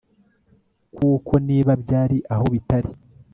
kuko niba byari aho bitari